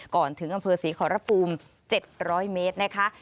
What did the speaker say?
ก่อนถึงอำเภอศรีขอรภูมิ๗๐๐เมตรนะคะ